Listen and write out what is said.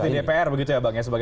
bukan seperti di dpr begitu ya bang